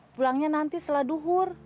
pulangnya nanti seladuhur